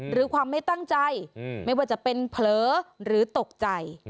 หรือความไม่ตั้งใจไม่ว่าจะเป็นเผลอหรือตกใจ